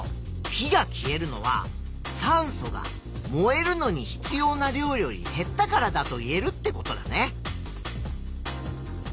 火が消えるのは酸素が燃えるのに必要な量より減ったからだといえるってことだね。